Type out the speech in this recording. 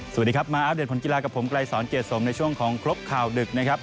สวัสดีครับมาอัปเดตผลกีฬากับผมไกลสอนเกรดสมในช่วงของครบข่าวดึกนะครับ